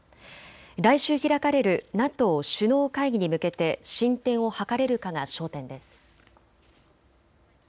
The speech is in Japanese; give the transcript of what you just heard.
来週開かれるＮＡＴＯ首脳会議に向けて進展を図れるかが焦点です。